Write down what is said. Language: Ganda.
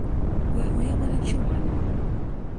Gwe oyagala ki wano?